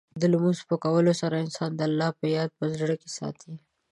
د لمونځ په کولو سره، انسان د الله یاد په زړه کې ساتي.